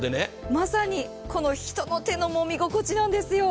まさに人の手のもみ心地なんですよ。